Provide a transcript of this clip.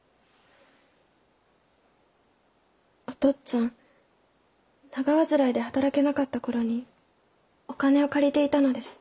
おとっつぁん長患いで働けなかった頃にお金を借りていたのです。